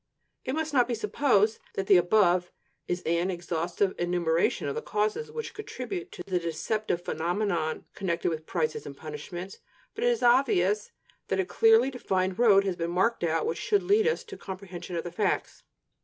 It must not be supposed that the above is an exhaustive enumeration of the causes which contribute to the deceptive phenomenon connected with prizes and punishments; but it is obvious that a clearly defined road has been marked out which should lead us to comprehension of the facts.